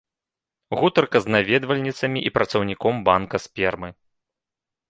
Гутарка з наведвальніцамі і працаўніком банка спермы.